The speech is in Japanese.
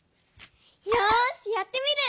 よしやってみる！